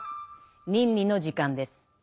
倫理の時間です。